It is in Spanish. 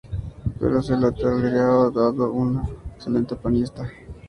Pero se le toleraba dado que era un excelente pianista.